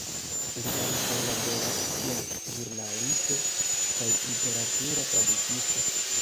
Li ankaŭ laboras kiel ĵurnalisto kaj literatura tradukisto.